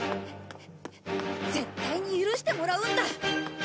絶対に許してもらうんだ！